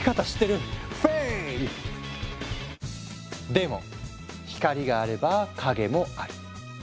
でも光があれば影もある。